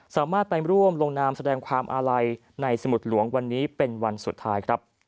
สามารถไปร่วมลงนามแสดงความอาลัยในสมุดหลวงวันนี้เป็นวันสุดท้ายครับ